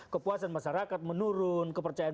kepuasan masyarakat menurun kepercayaan